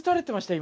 今？